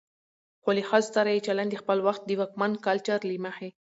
خو له ښځو سره يې چلن د خپل وخت د واکمن کلچر له مخې